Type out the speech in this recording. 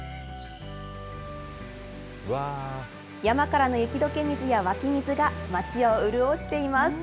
山からの雪どけ水や湧き水が町を潤しています。